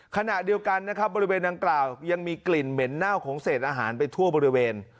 ขณะเดียวกันนะครับบริเวณดังกล่าวยังมีกลิ่นเหม็นเน่าของเศษอาหารไปทั่วบริเวณ